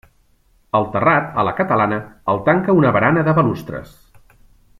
El terrat, a la catalana, el tanca una barana de balustres.